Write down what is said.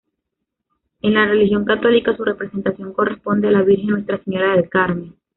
En la religión católica, su representación corresponde a la Virgen Nuestra Señora del Carmen.